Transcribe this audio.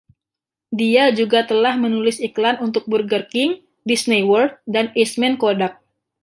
Dia juga telah menulis iklan untuk Burger King, Disney World, dan Eastman Kodak.